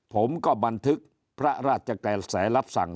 ผมก็บันทึกพระราชกระแสรับสั่ง